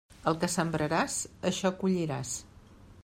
El que sembraràs, això colliràs.